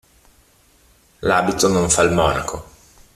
L'abito non fa il monaco.